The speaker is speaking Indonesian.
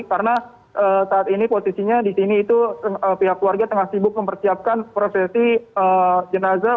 karena saat ini posisinya di sini itu pihak keluarga tengah sibuk mempersiapkan prosesi jenazah